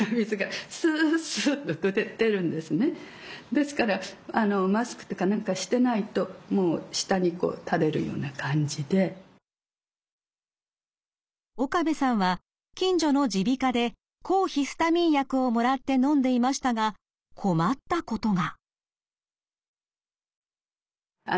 ですから岡部さんは近所の耳鼻科で抗ヒスタミン薬をもらってのんでいましたが困ったことが。